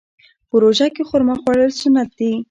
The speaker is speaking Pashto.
په روژه کې خرما خوړل سنت دي.